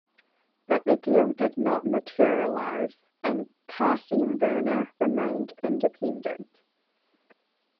But the deal did not materialize and Carsey-Werner remained independent.